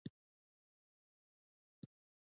د خوست په ځاځي میدان کې د ګچ نښې شته.